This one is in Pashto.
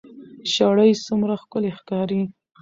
شرۍ څومره ښکلې ښکاري